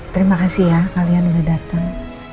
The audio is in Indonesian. terima kasih ya kalian sudah datang